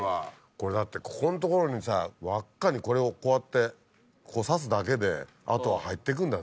これだってここのところにさ輪っかにこれをこうやってさすだけであとは入ってくんだぜ。